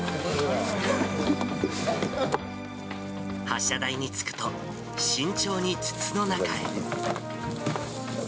発射台に着くと、慎重に筒の中へ。